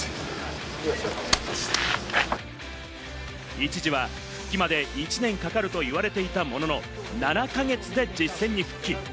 一時は復帰まで１年かかると言われていたものの、７か月で実戦に復帰。